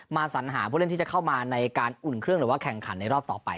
สัญหาผู้เล่นที่จะเข้ามาในการอุ่นเครื่องหรือว่าแข่งขันในรอบต่อไป